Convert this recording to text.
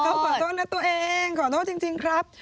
เขาขอโทษนะตัวเองขอโทษจริงครับ